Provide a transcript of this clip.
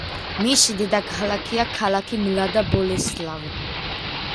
მისი დედაქალაქია ქალაქი მლადა-ბოლესლავი.